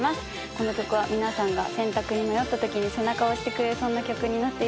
この曲は皆さんが選択に迷ったときに背中を押してくれそうな曲になっていると思います。